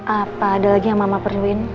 apa ada lagi yang mama perluin